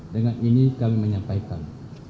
dengan ini kami menyampaikan